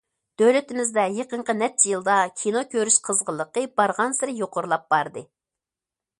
دۆلىتىمىزدە يېقىنقى نەچچە يىلدا كىنو كۆرۈش قىزغىنلىقى بارغانسېرى يۇقىرىلاپ باردى.